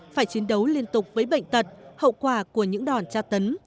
phải chiến đấu liên tục với bệnh tật hậu quả của những đòn tra tấn